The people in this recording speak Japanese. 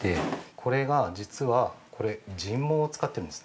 これが実は、人毛を使っているんです。